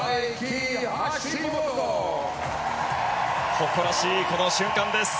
誇らしいこの瞬間です。